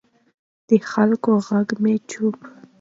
د خلکو غږ مه چوپوئ